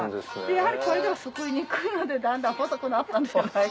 やはりこれではすくいにくいのでだんだん細くなったんじゃ。